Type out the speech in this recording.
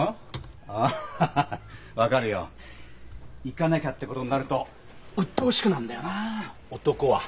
「行かなきゃ」ってことになるとうっとうしくなんだよな男は。